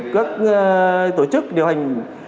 các tổ chức điều hành